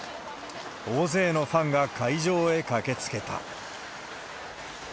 大勢のファンが会場へ駆けつけた。